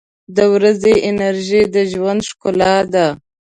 • د ورځې انرژي د ژوند ښکلا ده.